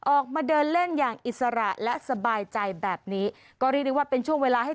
ออกมาเดินเล่นอย่างอิสระและสบายใจแบบนี้ก็เรียกได้ว่าเป็นช่วงเวลาให้